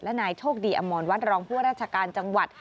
และนายโชคดีอมรวัดรองผู้ราชการจังหวัด